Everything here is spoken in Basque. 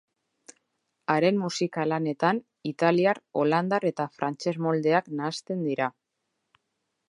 Haren musika-lanetan italiar, holandar eta frantses moldeak nahasten dira.